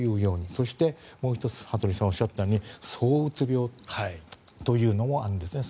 そして、もう１つ羽鳥さんがおっしゃったようにそううつ病というのもあるんですね。